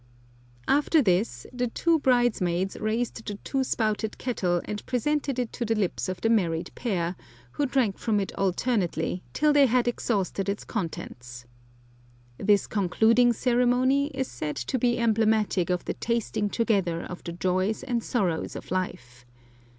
After this the two bridesmaids raised the two spouted kettle and presented it to the lips of the married pair, who drank from it alternately, till they had exhausted its contents. This concluding ceremony is said to be emblematic of the tasting together of the joys and sorrows of life.